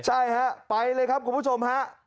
ใช่ฮะไปเลยครับคุณผู้ชมฮะ